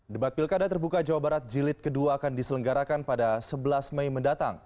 debat pilkada terbuka jawa barat jilid kedua akan diselenggarakan pada sebelas mei mendatang